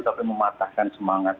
tapi mematahkan semangat